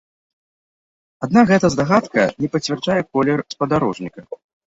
Аднак гэта здагадка не пацвярджае колер спадарожніка.